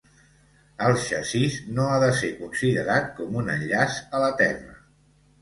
El xassís no ha de ser considerat com un enllaç a la Terra.